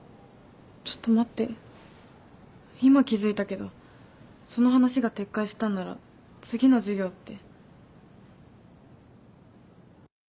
ちょっと待って今気付いたけどその話が撤回したんなら次の授業って。